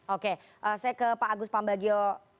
oke saya ke pak agus pambagio